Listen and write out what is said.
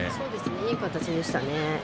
いい形でしたね。